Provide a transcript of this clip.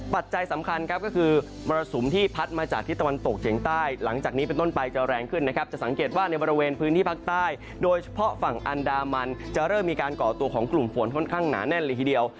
ปัจจัยสำคัญครับก็คือมรสุมที่พัดมาจากที่ตะวันตกเฉียงใต้หลังจากนี้เป็นต้นไปจะแรงขึ้นนะครับจะสังเกตว่าในบริเวณพื้นที่ภาคใต้โดยเฉพาะฝั่งอันดามันจะเริ่มมีการก่อตัวของกลุ่มฝนค่อนข้างหนาแน่นเลยทีเดียว